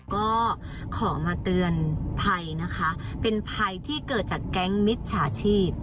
ก็ขอมาเตือนภัยนะคะเป็นภัยที่เกิดจากแก๊งมิจฉาชีพ